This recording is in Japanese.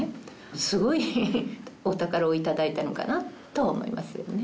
スゴいお宝をいただいたのかなとは思いますよね。